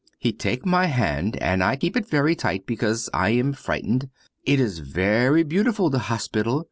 He take my hand and I keep it very tight because I am frighten. It is very beautiful, the hospital.